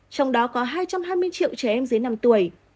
trong đó có hai trăm hai mươi triệu trẻ em dưới năm tuổi